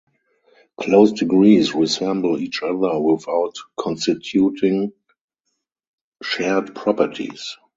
Close degrees resemble each other without constituting shared properties.